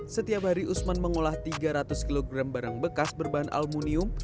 setiap hari usman mengolah tiga ratus kg barang bekas berbahan aluminium